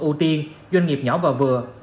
ưu tiên doanh nghiệp nhỏ và vừa